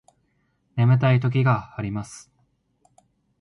眠たい時があります